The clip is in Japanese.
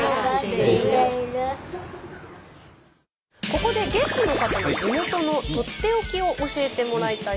ここでゲストの方の地元のとっておきを教えてもらいたいと思います。